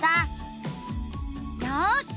よし！